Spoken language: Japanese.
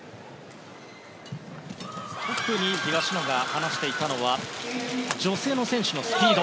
特に東野が話していたのは女性の選手のスピード